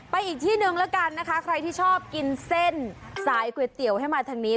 อีกที่หนึ่งแล้วกันนะคะใครที่ชอบกินเส้นสายก๋วยเตี๋ยวให้มาทางนี้